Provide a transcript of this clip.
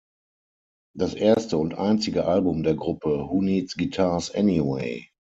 Das erste und einzige Album der Gruppe, "Who Needs Guitars Anyway?